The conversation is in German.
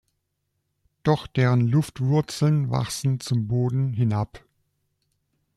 Doch deren Luftwurzeln wachsen zum Boden hinab.